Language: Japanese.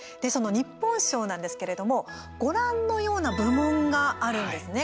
日本賞なんですけれどもご覧のような部門があるんですね。